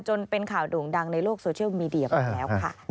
จนเป็นข่าวโด่งดังในโลกโซเชียลมีเดียไปแล้วค่ะ